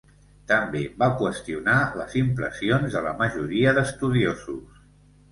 També va qüestionar les impressions de la majoria d'estudiosos.